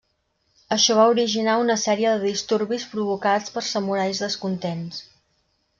Això va originar una sèrie de disturbis provocats per samurais descontents.